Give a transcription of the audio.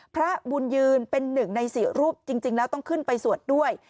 พระบุญยืนเป็นหนึ่งในสี่รูปจริงแล้วต้องขึ้นไปสวดด้วย